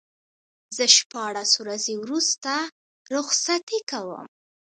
زه شپاړس ورځې وروسته رخصتي کوم.